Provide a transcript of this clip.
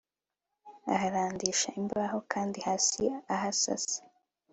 aharandisha imbaho kandi hasi ahasasa